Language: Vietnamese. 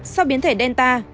sau biến thể delta